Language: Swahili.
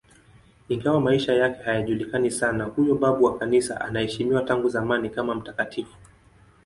Ingawa maisha yake hayajulikani sana, huyo babu wa Kanisa anaheshimiwa tangu zamani kama mtakatifu.